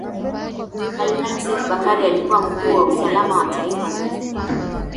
Kanali Seif Bakari alikuwa Mkuu wa Usalama wa Taifa Zanzibar